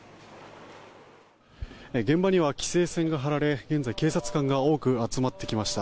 現場には規制線が張られ現在、警察官が多く集まってきました。